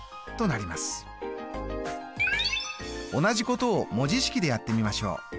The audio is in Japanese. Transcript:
同じことを文字式でやってみましょう。